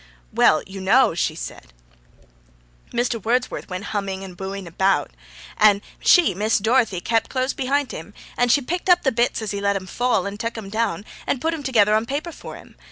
'Well, you know,' she said, 'Mr. Wordsworth went humming and booing about, and she, Miss Dorothy, kept close behint him, and she picked up the bits as he let 'em fall, and tak' 'em down, and put 'em together on paper for him.